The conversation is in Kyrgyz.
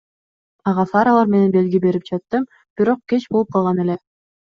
Ага фаралар менен белги берип жатттым, бирок кеч болуп калган эле.